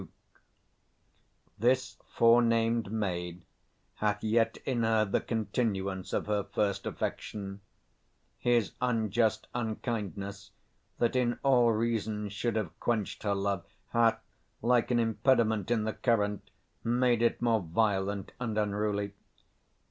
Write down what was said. Duke. This forenamed maid hath yet in her the continuance of her first affection: his unjust unkindness, that in all reason should have quenched her love, hath, like an impediment in the current, made it more violent and unruly.